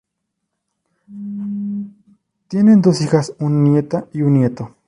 Tienen dos hijas, una nieta y un nieto.